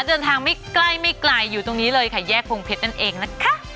เดินทางไม่ใกล้ไม่ไกลอยู่ตรงนี้เลยค่ะแยกพงเพชรนั่นเองนะคะ